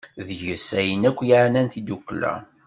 Deg-s ayen yakk yeɛnan tiddukkla.